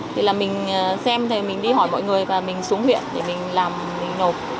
thì là mình xem thì mình đi hỏi mọi người và mình xuống huyện để mình làm mình nộp